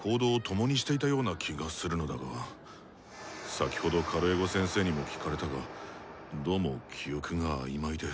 先ほどカルエゴ先生にも聞かれたがどうも記憶が曖昧で。